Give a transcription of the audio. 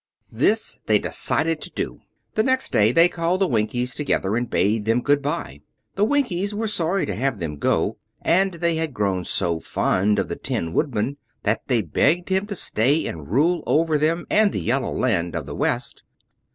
This they decided to do. The next day they called the Winkies together and bade them good bye. The Winkies were sorry to have them go, and they had grown so fond of the Tin Woodman that they begged him to stay and rule over them and the Yellow Land of the West.